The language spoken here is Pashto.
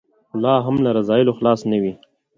خو لا هم له رذایلو خلاص نه وي.